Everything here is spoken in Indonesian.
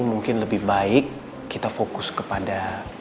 mungkin lebih baik kita fokus kepada